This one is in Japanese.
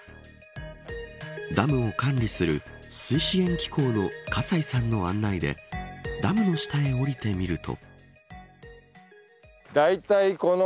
ダムを管理する水資源機構の笠井さんの案内でダムの下へ降りてみると。